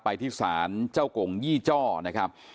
ไปที่ศาลเจ้ากงยี่จ้อนะครับ